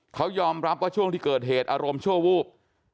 เขายอมรับว่าช่วงที่เกิดเหตุอารมณ์ชั่ววูบ